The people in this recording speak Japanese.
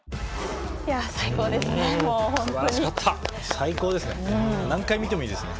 最高ですね。